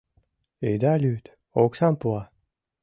Ида лӱд, оксам пуа.